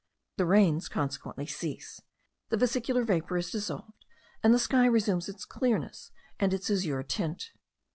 The rains consequently cease, the vesicular vapour is dissolved, and the sky resumes its clearness and its azure tint.